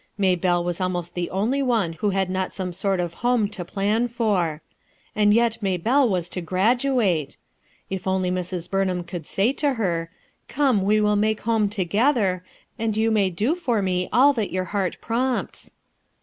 Maybelle was almost the only one who had not some sort of home to plan f or And yet Maybelle was to graduate 1 If 011 iy Mrs. Burnham could say to her, "Come, we will make home together, and you may do for me all that your heart prompts."